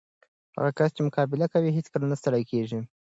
هغه کس چې مقابله کوي، هیڅکله نه ستړی کېږي.